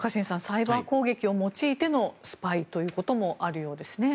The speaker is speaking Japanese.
サイバー攻撃を用いてのスパイということもあるようですね。